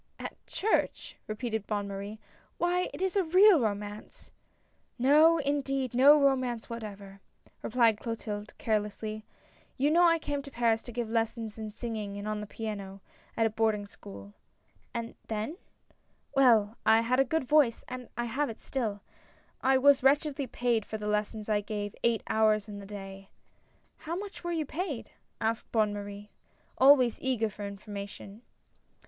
" At church !" repeated Bonne Marie. " Why, it is a real romance !"" No indeed, no romance whatever," replied Clotilde, carelessly ;" you know I came to Paris to give lessons in singing and on the piano, at a boarding school." A NEW IDEA. 85 " And then " "Well, I had a good voice — and have it still. I was wretchedly paid for the lessons I gave eight hours in the day." "How much were you paid?" asked Bonne Marie, always eager for information.